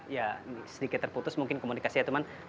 ya sedikit terputus mungkin komunikasi ya teman